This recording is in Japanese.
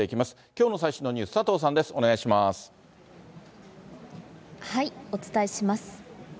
きょうの最新のニュース、佐藤さお伝えします。